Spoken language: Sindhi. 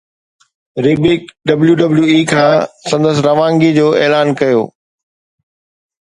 ريبڪ WWE کان سندس روانگي جو اعلان ڪيو